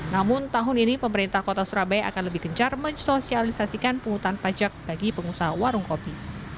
namun tahun ini pemerintah kota surabaya akan lebih gencar mensosialisasikan penghutang pajak bagi pengusaha warung kopi